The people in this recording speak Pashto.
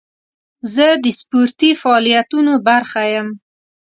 زه د سپورتي فعالیتونو برخه یم.